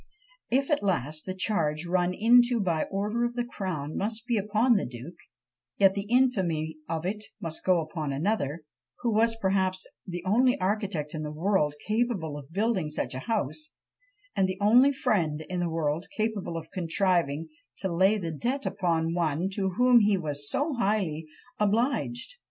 "If at last the charge run into by order of the crown must be upon the duke, yet the infamy of it must go upon another, who was perhaps the only architect in the world capable of building such a house; and the only friend in the world capable of contriving to lay the debt upon one to whom he was so highly obliged."